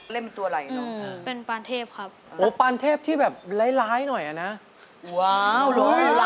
เล่นเป็นตัวอะไรอะน้อง